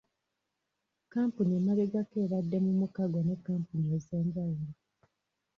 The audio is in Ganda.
Kampuni emabegako ebadde mu mukago ne kampuni ez'enjawulo.